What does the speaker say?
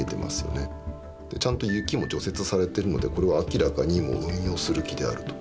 ちゃんと雪も除雪されてるのでこれは明らかにもう運用する気であると。